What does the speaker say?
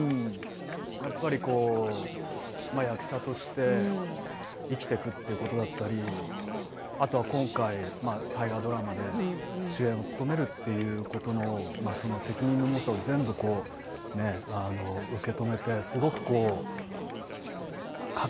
やっぱり役者として生きていくということだったりあとは今回、大河ドラマで主演を務めるということのその責任の重さを全部受け止めてすごく覚悟が決まった目をしているなって